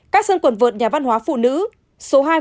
các sân quần vợt nhà văn hóa phụ nữ số hai nguyễn độ